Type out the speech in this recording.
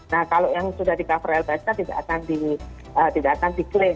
nah kalau yang sudah di cover lpsk tidak akan diklaim